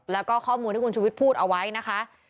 แล้วก็ข้อมูลที่คุณชุวิตพูดเอาไว้นะคะ